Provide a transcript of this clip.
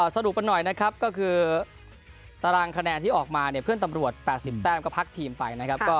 สรุปก็หน่อยก็คือตารางคะแนนที่ออกมาเพื่อนตำรวจ๘๐แป้มก็พักทีมไป